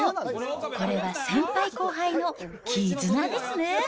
これは先輩後輩の絆ですね。